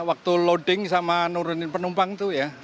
waktu loading sama nurunin penumpang tuh ya